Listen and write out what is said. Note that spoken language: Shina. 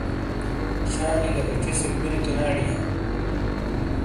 شالِیں گہ اِیڇی سے کُوری تو نے اڈیاں ؟